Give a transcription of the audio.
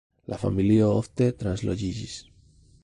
La familio ofte transloĝiĝis.